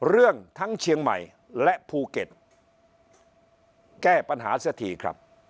เรื่องทั้งเชียงใหม่และภูเก็ตแก้ปัญหาเสียทีครับ